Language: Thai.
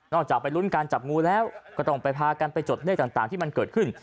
จากไปลุ้นการจับงูแล้วก็ต้องไปพากันไปจดเลขต่างที่มันเกิดขึ้น